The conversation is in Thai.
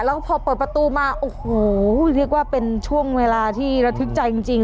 แล้วก็พอเปิดประตูมาโอ้โหเรียกว่าเป็นช่วงเวลาที่ระทึกใจจริง